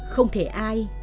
không thể ai